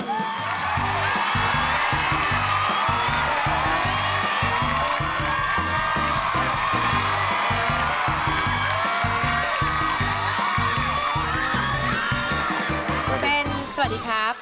บริเวณสวัสดีครับ